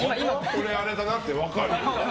これあれだなって分かる。